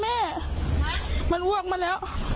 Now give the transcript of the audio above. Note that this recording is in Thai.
แม่มันววกมาแล้วแม่